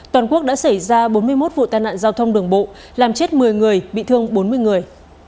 toàn quốc đã xảy ra bốn mươi một vụ tai nạn giao thông đường bộ làm chết một mươi người bị thương bốn mươi người